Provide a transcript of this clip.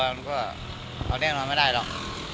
ราวแหงรอไม่ได้หรอก